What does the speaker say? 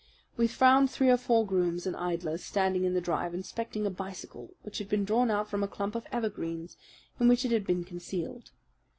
We found three or four grooms and idlers standing in the drive inspecting a bicycle which had been drawn out from a clump of evergreens in which it had been concealed.